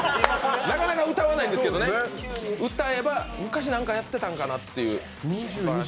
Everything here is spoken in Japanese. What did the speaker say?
なかなか歌わないんですけど、歌えば昔何かやってたのかなという人。